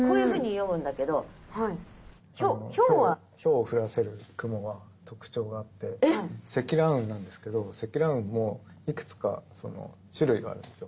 雹を降らせる雲は特徴があって積乱雲なんですけど積乱雲もいくつか種類があるんですよ。